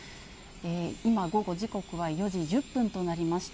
今、午後、時刻は４時１０分となりました。